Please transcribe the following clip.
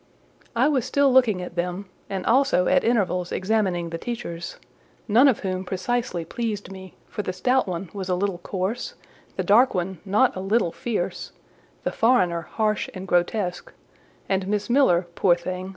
I was still looking at them, and also at intervals examining the teachers—none of whom precisely pleased me; for the stout one was a little coarse, the dark one not a little fierce, the foreigner harsh and grotesque, and Miss Miller, poor thing!